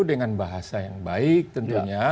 dengan bahasa yang baik tentunya